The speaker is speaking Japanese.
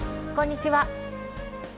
こんにちは。